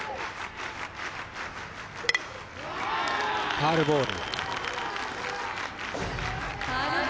ファウルボール。